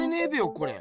これ。